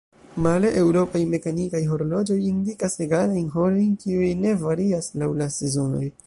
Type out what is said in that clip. Male, eŭropaj mekanikaj horloĝoj indikas egalajn horojn, kiuj ne varias laŭ la sezonoj.